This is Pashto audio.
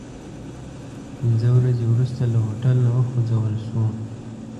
پنځه ورځې وروسته له هوټل نه وخوځول شوو.